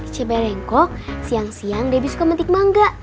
cepereng kok siang siang debbie suka menikmangga